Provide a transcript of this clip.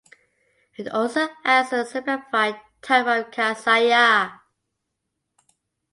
It also acts as a simplified type of kasaya.